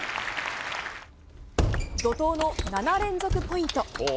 怒涛の７連続ポイント。